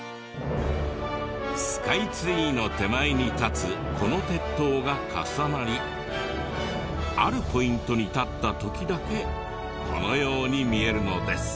スカイツリーの手前に立つこの鉄塔が重なりあるポイントに立った時だけこのように見えるのです。